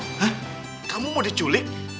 hah kamu mau diculik